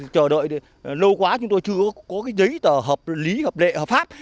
chờ đợi lâu quá chúng tôi chưa có cái giấy tờ hợp lý hợp lệ hợp pháp